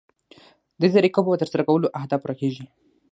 ددې طریقو په ترسره کولو اهداف پوره کیږي.